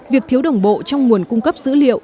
việc thiếu đồng bộ trong nguồn cung cấp dữ liệu